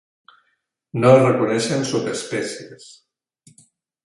No es reconeixen subespècies.